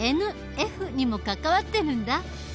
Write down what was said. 「ＮＦ」にも関わってるんだ。